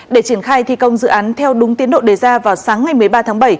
để triển khai thi công dự án theo đúng tiến độ đề ra vào sáng ngày một mươi ba tháng bảy